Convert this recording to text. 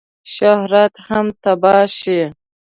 شهرت هم تباه شي.